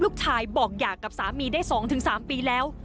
ลูกชายบอกหย่ากับสามีได้๒๓ปีแล้ว